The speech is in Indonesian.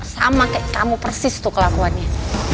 sama kayak kamu persis tuh kelakuannya